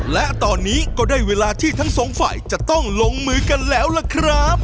และตอนนี้ก็ได้เวลาที่ทั้งสองฝ่ายจะต้องลงมือกันแล้วล่ะครับ